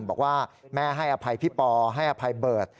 บอกว่าแม่ให้อภัยพี่ปอให้อภัยเบิร์ต